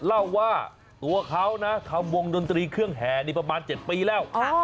เล่าว่าตัวเขานะทำวงดนตรีเครื่องแห่นี่ประมาณ๗ปีแล้ว